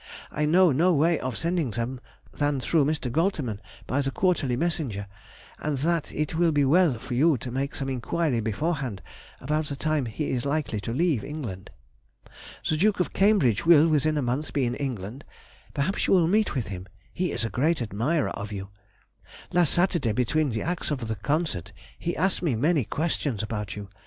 I know no way of sending them than through Mr. Goltermann by the quarterly messenger, and that it will be well for you to make some inquiry beforehand about the time he is likely to leave England. The Duke of Cambridge will, within a month, be in England; perhaps you will meet with him; he is a great admirer of you. Last Saturday, between the acts of the concert, he asked me many questions about you.